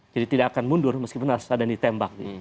jadi tidak akan mundur meskipun ada yang ditembak